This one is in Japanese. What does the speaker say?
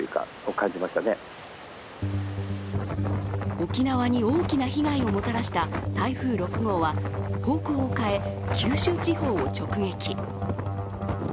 沖縄に大きな被害をもたらした台風６号は方向を変え、九州地方を直撃。